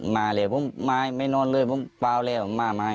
มาเลยผมไม่นอนเลยผมเปล่าเลยมา